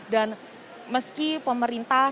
dan meski pemerintah